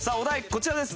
こちらです。